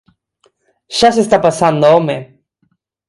Xa se está pasando, home.